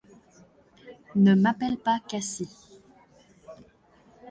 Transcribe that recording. Ne m’appelle pas Cassie.